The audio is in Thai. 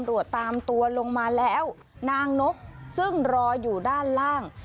ตามตัวลงมาแล้วนางนกซึ่งรออยู่ด้านล่าง